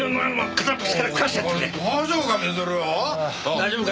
大丈夫か？